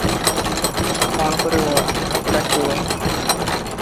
କ’ଣ କରିବ, କାହାକୁ ଡାକିବ।